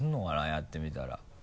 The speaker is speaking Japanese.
やってみたら。